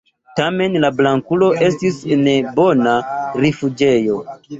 Tamen la Blankulo estis en bona rifuĝejo.